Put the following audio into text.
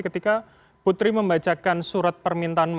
ketika putri membacakan surat permintaanmu